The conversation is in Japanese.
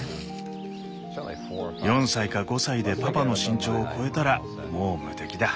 ４歳か５歳でパパの身長を超えたらもう無敵だ。